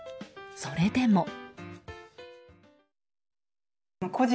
それでも。